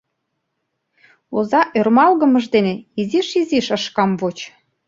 Оза ӧрмалгымыж дене изиш-изиш ыш камвоч.